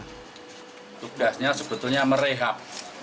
tugasnya sebetulnya merehab